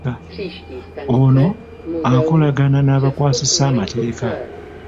Ono akolagana n'abakwasisa amateeeka.